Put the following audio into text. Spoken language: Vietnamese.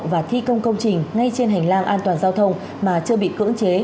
và thi công công trình ngay trên hành lang an toàn giao thông mà chưa bị cưỡng chế